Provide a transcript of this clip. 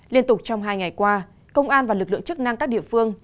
liên tục trong hai ngày qua công an và lực lượng chức năng các địa phương